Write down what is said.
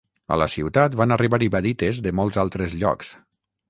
A la ciutat, van arribar ibadites de molts altres llocs.